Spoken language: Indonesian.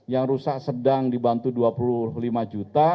yang rusak sedang dibantu dua puluh lima juta